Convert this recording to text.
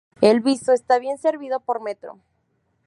El Viso está bien servido por metro.